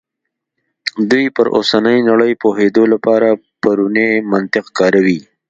دوی پر اوسنۍ نړۍ پوهېدو لپاره پرونی منطق کاروي.